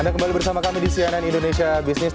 anda kembali bersama kami di cnn indonesia business